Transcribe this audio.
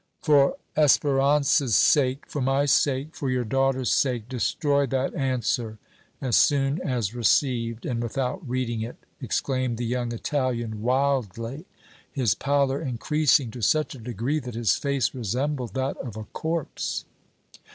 "For Espérance's sake, for my sake, for your daughter's sake, destroy that answer as soon as received and without reading it!" exclaimed the young Italian, wildly, his pallor increasing to such a degree that his face resembled that of a corpse.